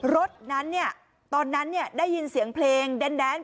รถนั้นตอนนั้นได้ยินเสียงเพลงแดน